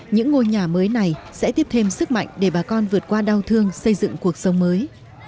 những ngôi nhà mới này sẽ tiếp thêm sức mạnh để bà con vượt qua đau thương xây dựng cuộc sống mới